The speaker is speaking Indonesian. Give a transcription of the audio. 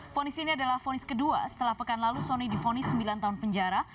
fonis ini adalah fonis kedua setelah pekan lalu soni difonis sembilan tahun penjara